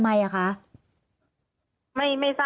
มันเป็นอาหารของพระราชา